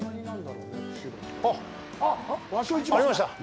あっ、ありました。